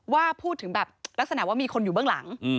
ว่าพูดถึงแบบลักษณะว่ามีคนอยู่เบื้องหลัง